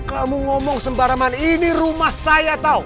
kamu ngomong sembarangan ini rumah saya tau